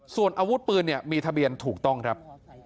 ส่วนอาวุธปืนมีทะเบียนถูกต้องครับ